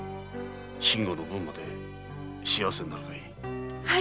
信吾の分まで幸せになるがいい。